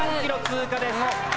１３ｋｍ通過です。